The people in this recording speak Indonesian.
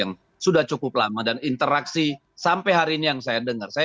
yang sudah cukup lama dan interaksi sampai hari ini yang saya dengar